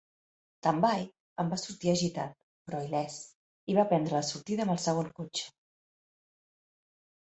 Tambay en va sortir agitat, però il·lès, i va prendre la sortida amb el segon cotxe.